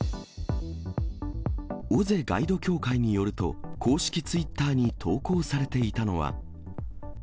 尾瀬ガイド協会によると、公式ツイッターに投稿されていたのは。